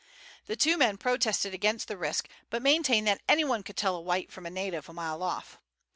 The two men protested against the risk, and maintained that anyone could tell a white from a native a mile off.